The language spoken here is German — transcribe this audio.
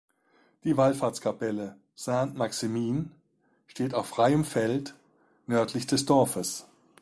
Die Wallfahrtskapelle Saint-Maximin steht auf freiem Feld nördlich des Dorfes.